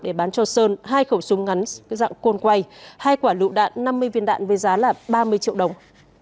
để bán cho sơn hai khẩu súng ngắn dạng côn quay hai quả lựu đạn năm mươi viên đạn với giá là ba mươi triệu đồng